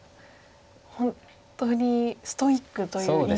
本当にストイックという印象が強い。